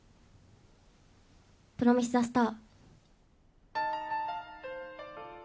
『プロミスザスター』。